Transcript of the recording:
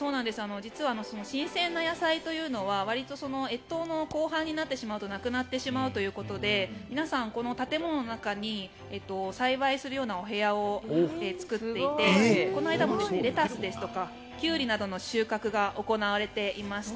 実は新鮮な野菜というのはわりと越冬の後半になってしまうとなくなってしまうということで皆さん建物の中に栽培するようなお部屋を作っていてこの間もレタスですとかキュウリの収穫が行われていました。